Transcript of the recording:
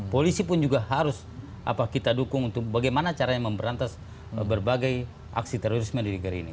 polisi pun juga harus kita dukung untuk bagaimana caranya memberantas berbagai aksi terorisme di negeri ini